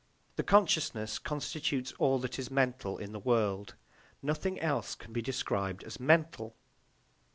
The consciousness constitutes all that is mental in the world; nothing else can be described as mental.